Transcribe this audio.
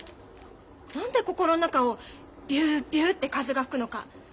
何で心の中をビュビュって風が吹くのか。